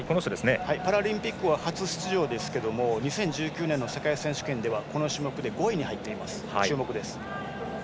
パラリンピックは初出場ですけど２０１９年の世界選手権ではこの種目で５位に入っています。